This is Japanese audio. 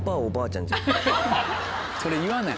それ言わない。